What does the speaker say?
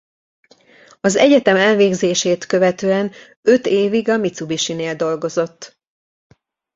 Az egyetem elvégzését követően öt évig a Mitsubishinél dolgozott.